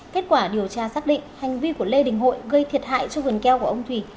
kết quả điều tra xác định hành vi của lê đình hội gây thiệt hại cho vườn keo của ông thủy